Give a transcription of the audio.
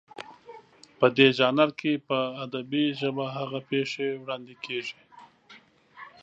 په دې ژانر کې په ادبي ژبه هغه پېښې وړاندې کېږي